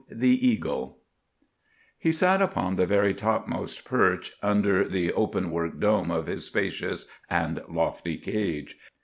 THE EAGLE He sat upon the very topmost perch under the open work dome of his spacious and lofty cage.